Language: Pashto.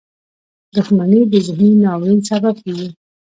• دښمني د ذهني ناورین سبب کېږي.